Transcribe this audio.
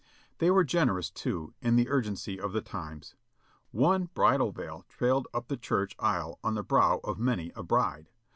They were generous, too. in the urgency of the times. One Ijridal veil trailed up the church aisle on the brow of many a bride.